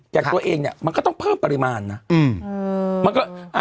จากตัวเองเนี่ยมันก็ต้องเพิ่มปริมาณนะ